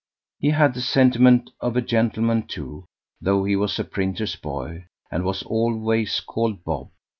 He had the sentiment of a gentleman too, though he was a printer's boy and was always called Bob.